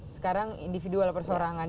sekarang individual persorangan